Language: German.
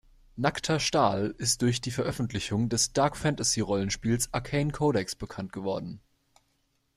Nackter Stahl ist durch die Veröffentlichung des Dark-Fantasy-Rollenspiels Arcane Codex bekannt geworden.